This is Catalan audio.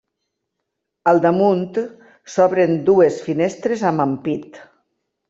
Al damunt s'obren dues finestres amb ampit.